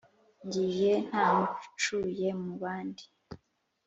ngiye ntacumuye, mu bandi